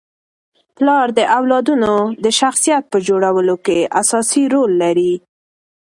پلار د اولادونو د شخصیت په جوړولو کي اساسي رول لري.